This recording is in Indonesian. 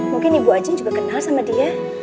mungkin ibu aceh juga kenal sama dia